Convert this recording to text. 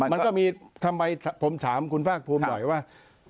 มันก็มีทำไมผมถามคุณภาคภูมิหน่อยว่า